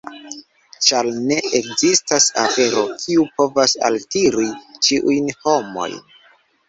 Ĉar ne ekzistas afero, kiu povas altiri ĉiujn homojn.